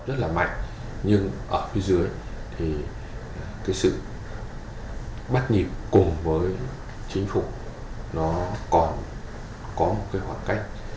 rất là mạnh nhưng ở phía dưới thì cái sự bắt nhịp cùng với chính phủ nó còn có một cái khoảng cách